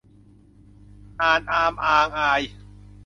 อาน อาม อาง อาย